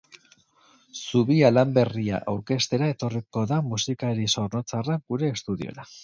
Zubia lan berria aurkeztera etorriko da musikari zornotzarra gure estudiora.